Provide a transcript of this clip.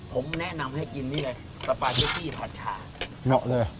ผมแนะนำให้กินนี่เลยสปาเกตตี้ผัดชาเหนาะเลย